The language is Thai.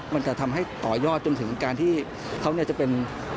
มันจะทำให้ต่อยอดจนถึงการที่เขาจะเป็น